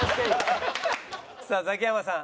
さあザキヤマさん。